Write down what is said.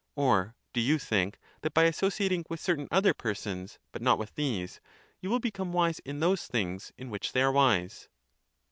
Or do you think, that by associating with certain other persons, but not with these, you will be come wise in those things, in which they are wise